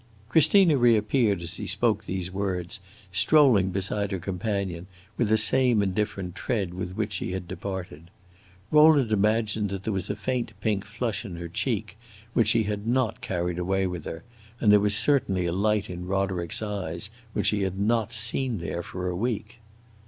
Christina reappeared as he spoke these words, strolling beside her companion with the same indifferent tread with which she had departed. Rowland imagined that there was a faint pink flush in her cheek which she had not carried away with her, and there was certainly a light in Roderick's eyes which he had not seen there for a week.